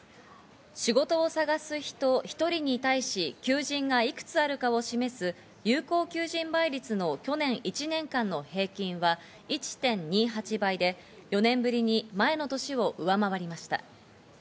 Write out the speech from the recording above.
仕事を探す人、１人に対し、求人がいくつあるかを示す有効求人倍率の去年１年間の平均は１．２８倍で、４年ぶりに前の年を上回りました。